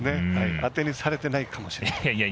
あてにされてないかもしれない。